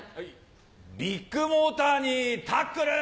ビッグモーターにタックル！